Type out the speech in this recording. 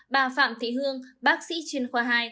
bà phạm thị hương bác sĩ chuyên khoa hai